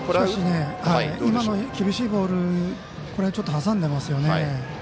今の厳しいボールはこれはちょっと挟んでますよね。